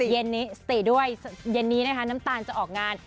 เย็นนี้สติด้วยเย็นนี้นะคะน้ำตาลจะออกงาน